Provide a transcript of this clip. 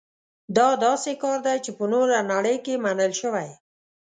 دا داسې کار دی چې په نوره نړۍ کې منل شوی.